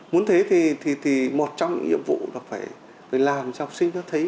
muốn thế thì một trong những nhiệm vụ là phải làm cho học sinh nó thấy